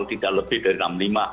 tidak lebih dari enam puluh lima